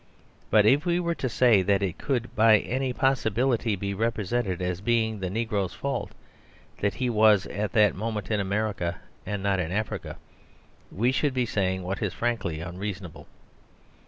But if we were to say that it could by any possibility be represented as being the negro's fault that he was at that moment in America and not in Africa, we should be saying what is frankly unreasonable.